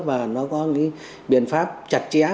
và nó có những biện pháp chặt chẽ